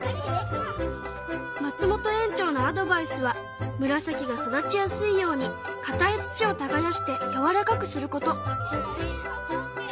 松本園長のアドバイスはムラサキが育ちやすいように硬い土を耕してやわらかくすること。